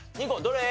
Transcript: ２個。